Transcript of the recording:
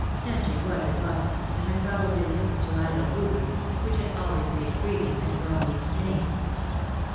Dungie was a gossip, and had probably listened to idle rumour, which had always made free with Miss Longleafs name.